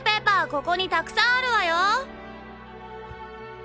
ここにたくさんあるわよ。